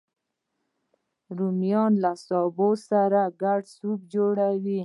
رومیان له سابه سره ګډ سوپ جوړوي